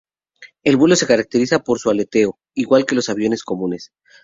El vuelo se caracteriza por su aleteo, igual que los aviones comunes.